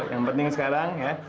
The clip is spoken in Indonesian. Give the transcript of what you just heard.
yang penting sekarang ya